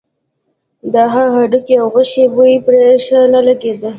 د هغه د هډوکي او غوښې بوی پرې ښه نه لګېده.